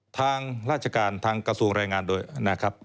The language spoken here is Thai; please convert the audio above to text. ทางราชการทางกระทรวงแรงงานโดยนะครับ